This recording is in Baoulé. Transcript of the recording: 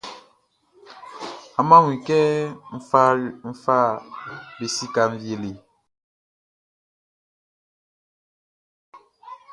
Amun a wun kɛ n fa be sikaʼn wie le?